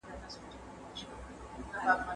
باڼه يې سره ورسي داسي